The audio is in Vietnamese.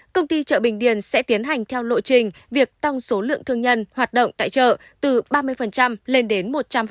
công ty chợ bình điền sẽ tiến hành theo lộ trình việc tăng số lượng thương nhân hoạt động tại chợ từ ba mươi lên đến một trăm linh